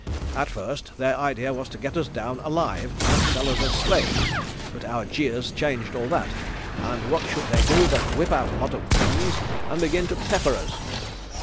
At first their idea was to get us down alive and sell us as slaves, but our jeers changed all that, and what should they do but whip out a lot of guns and begin to pepper us.